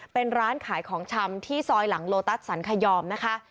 เป็นร้านขายของชำที่ซอยหลังโลตัสสันขยอมนะคะ